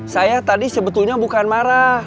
saya tadi sebetulnya bukan marah